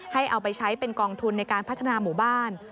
เอาไปใช้เป็นกองทุนในการพัฒนาหมู่บ้าน